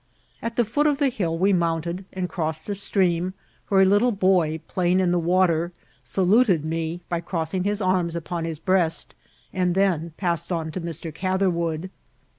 At the foot of the hiU we mounted and crossed a stream, where a little boy, playing in the water, saluted me by crossing his arms upon his breast, and then passed on to Mr. Catherwood.